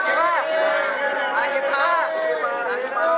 terima kasih banyak